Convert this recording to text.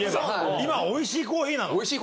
今、おいしいコーヒーなの？